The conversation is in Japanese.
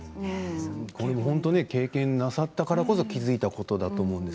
これは経験なさったからこそ気付いたことだと思います。